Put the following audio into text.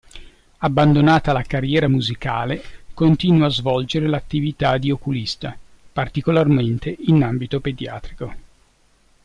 Abbandonata la carriera musicale continua a svolgere l'attività di oculista, particolarmente in ambito pediatrico.